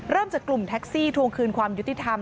จากกลุ่มแท็กซี่ทวงคืนความยุติธรรม